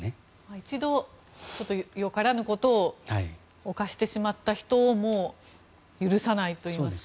一度、よからぬことを犯してしまった人を許さないといいますか。